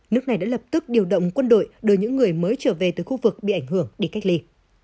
nước này đã lập tức điều động quân đội đưa những người mới trở về từ khu vực bị ảnh hưởng đi cách ly